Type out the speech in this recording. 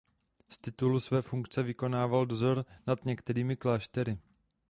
Z titulu své funkce vykonával dozor nad některými kláštery.